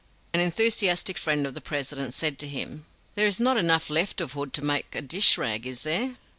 An enthusiastic friend of the President said to him: "There is not enough left of Hood to make a dish rag, is there?"